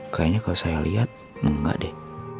kayaknya kalau saya lihat enggak deh